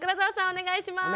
お願いします。